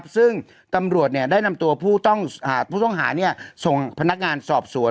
ซึ่งตำรวจได้นำตัวผู้ต้องหาส่งพนักงานสอบสวน